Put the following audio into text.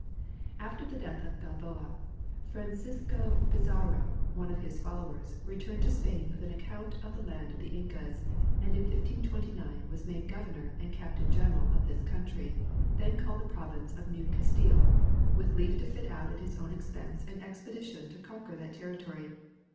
After the death of Balboa, Francisco Pizarro, one of his follow ers, returned to Spain with an account of the land of the Incas, and in 1529 was made governor and captain general of this country, then called the province of New Castile, with leave to fit out at his own expense an expedition to conquer that terri tory.